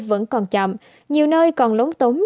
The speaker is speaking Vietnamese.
vẫn còn chậm nhiều nơi còn lống tống